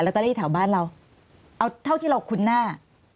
เตอรี่แถวบ้านเราเอาเท่าที่เราคุ้นหน้า